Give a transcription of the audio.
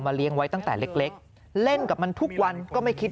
เลี้ยงไว้ตั้งแต่เล็กเล่นกับมันทุกวันก็ไม่คิด